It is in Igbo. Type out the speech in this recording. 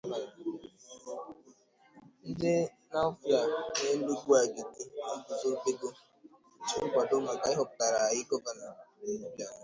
Ndị Nawfịa na Enugwu-Agịdị Eguzobego Otu Nkwado Maka Ịhọpụtagharị Gọvanọ Obianọ